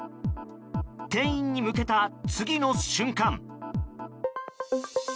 店員に向けた次の瞬間。